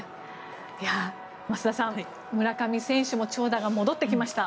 増田さん、村上選手も長打が戻ってきました。